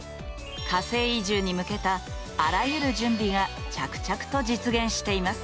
火星移住に向けたあらゆる準備が着々と実現しています。